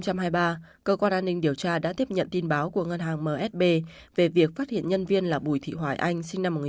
cơ quan an ninh điều tra đã tiếp nhận tin báo của ngân hàng msb về việc phát hiện nhân viên là bùi thị hoàng anh